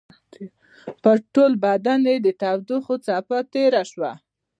په ټول بدن يې د تودوخې څپه تېره شوه.